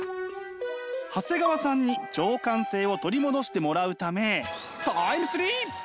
長谷川さんに情感性を取り戻してもらうためタイムスリップ！